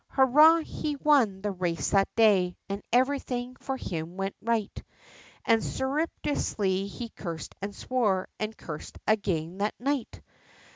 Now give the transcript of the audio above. Hurrah! he won the race that day, and everything for him went right, And surreptitiously he cursed and swore, and cursed again that night.